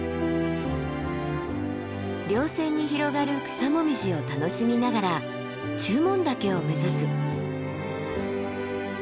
稜線に広がる草紅葉を楽しみながら中門岳を目指す。